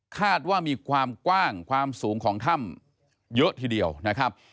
คาดว่ามีความกว้างความสูงของถ้ำเยอะทีเดียวนะครับ